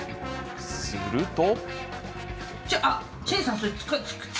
すると。